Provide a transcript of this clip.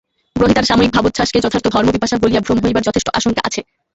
গ্রহীতার সাময়িক ভাবোচ্ছ্বাসকে যথার্থ ধর্মপিপাসা বলিয়া ভ্রম হইবার যথেষ্ট আশঙ্কা আছে।